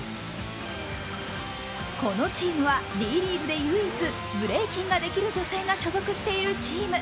このチームはＤ．ＬＥＡＧＵＥで唯一、ブレイキンができる女性が所属しているチーム。